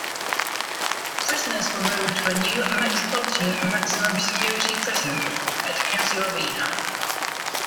Prisoners were moved to a new metropolitan maximum security prison at Casuarina.